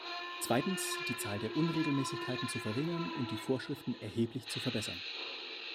Zweitens, die Zahl der Unregelmäßigkeiten zu verringern und die Vorschriften erheblich zu verbessern.